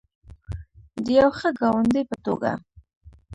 د یو ښه ګاونډي په توګه.